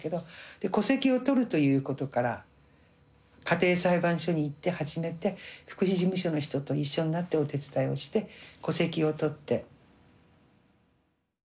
で戸籍を取るということから家庭裁判所に行って始めて福祉事務所の人と一緒になってお手伝いをして戸籍を取って。